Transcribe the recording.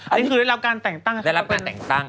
อันนี้คือรับการแต่งตั้ง